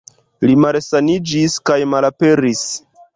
Li malsaniĝis kaj malaperis.